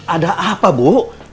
ada apa bu